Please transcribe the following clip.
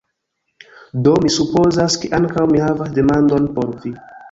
Do, mi supozas, ke ankaŭ mi havas demandon por vi!